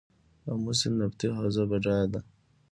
د امو سیند نفتي حوزه بډایه ده؟